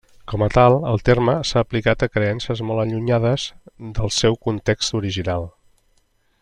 Com a tal, el terme s'ha aplicat a creences molt allunyades del seu context original.